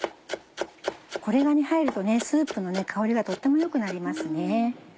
これが入るとスープの香りがとっても良くなりますね。